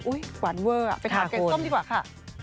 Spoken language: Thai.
อุ๊ยหวานเว่อ่ะไปถามแกงส้มดีกว่าค่ะ